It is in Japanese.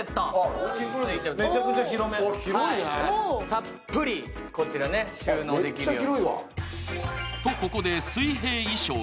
たっぷり、こちら収納できるように。